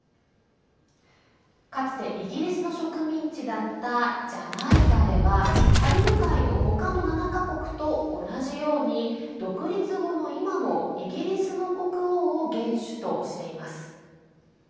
かつて、イギリスの植民地だったジャマイカではカリブ海の他の７か国と同じように独立後の今もイギリスの国王を元首としています。